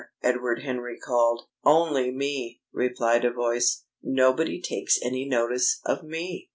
Edward Henry called. "Only me!" replied a voice. "Nobody takes any notice of me!"